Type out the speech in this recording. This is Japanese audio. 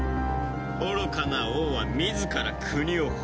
愚かな王は自ら国を滅ぼす。